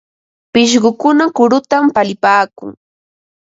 Pishqukuna kurutam palipaakun.